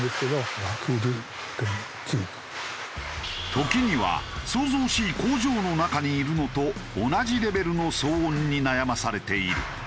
時には騒々しい工場の中にいるのと同じレベルの騒音に悩まされている。